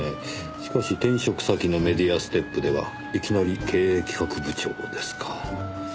しかし転職先のメディアステップではいきなり経営企画部長ですか。